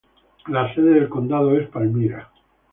La sede del condado es Palmyra.